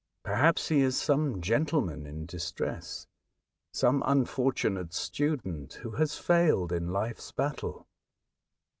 Perhaps he is some gentleman in distress ; some unfortunate student who has failed in life's battle."